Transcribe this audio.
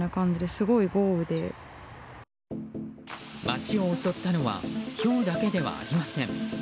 街を襲ったのはひょうだけではありません。